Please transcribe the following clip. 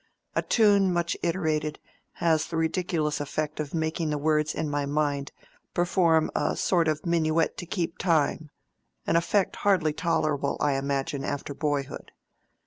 "A tune much iterated has the ridiculous effect of making the words in my mind perform a sort of minuet to keep time—an effect hardly tolerable, I imagine, after boyhood.